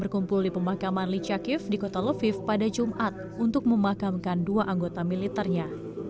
berkumpul di pemakaman licakif di kota lviv pada jumat untuk memakamkan dua anggota militernya